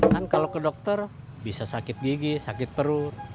kan kalau ke dokter bisa sakit gigi sakit perut